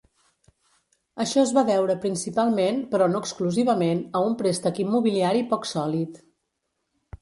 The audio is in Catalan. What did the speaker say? Això es va deure principalment, però no exclusivament, a un préstec immobiliari poc sòlid.